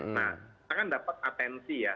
nah kita kan dapat atensi ya